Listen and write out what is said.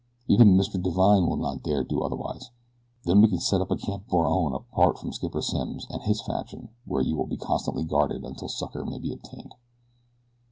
Even Mr. Divine will not dare do otherwise. Then we can set up a camp of our own apart from Skipper Simms and his faction where you will be constantly guarded until succor may be obtained."